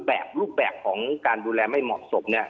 แบบรูปแบบของการดูแลไม่เหมาะสมเนี่ย